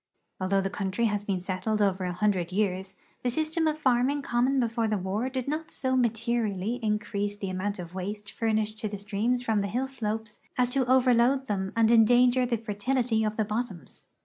Although the country' has been settled over a hundred years, the system of farming common before the war did not so materially increase the amount of waste furnished to the streams from the hill slopes as to overload them and endanger the fertility of the bottoms.